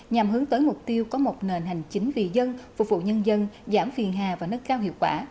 nhằm hướng tới mục tiêu có một nền hành chính vì dân phục vụ nhân dân giảm phiền hà và nâng cao hiệu quả